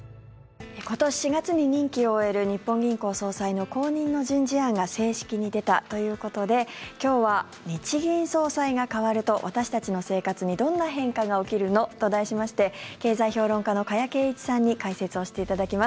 今年４月に任期を終える日本銀行総裁の後任の人事案が正式に出たということで今日は、日銀総裁が代わると私たちの生活にどんな変化が起きるの？と題しまして経済評論家の加谷珪一さんに解説をしていただきます。